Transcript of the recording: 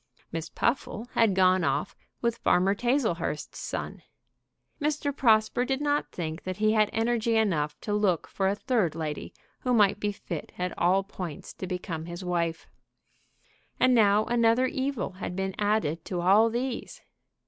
Miss Puffle had gone off with Farmer Tazlehurst's son. Mr. Prosper did not think that he had energy enough to look for a third lady who might be fit at all points to become his wife. And now another evil had been added to all these.